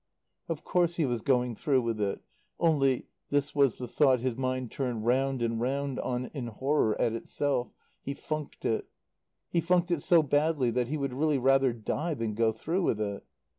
Of course he was going through with it; only this was the thought his mind turned round and round on in horror at itself he funked it. He funked it so badly that he would really rather die than go through with it.